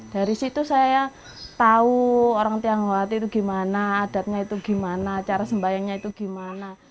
dari situ saya tahu orang tionghoa itu gimana adatnya itu gimana cara sembayangnya itu gimana